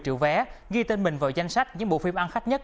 một phim phòng vé ghi tên mình vào danh sách những bộ phim ăn khách nhất